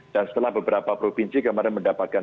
dan setelah beberapa provinsi kemarin mendapatkan